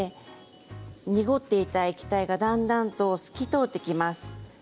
濁っていた液体がだんだんと透き通ってきます。